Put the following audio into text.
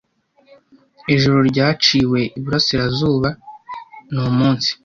Ijoro ryaciwe iburasirazuba; ni umunsi,